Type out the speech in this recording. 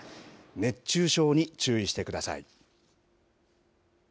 熱中症に注意してください。